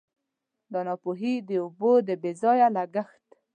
دا ناپوهي د اوبو د بې ځایه لګښت.